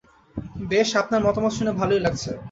বেশ, আপনার মতামত শুনে ভালোই লাগছে।